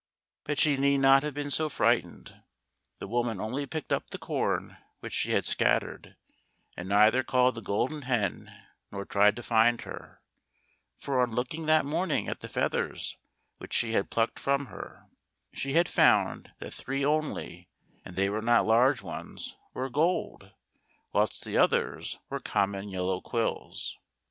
But she need not have been so frightened. The woman only picked up' the corn which she had scattered, and neither called the Golden Hen nor tried to find her, for on looking that morning at the feathers which she had plucked from her, she had found that three only, and they were not large ones, were gold, whilst the others were common yellow quills.